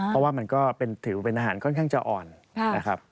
เพราะว่ามันก็ถือเป็นอาหารค่อนข้างจะอ่อนนะครับ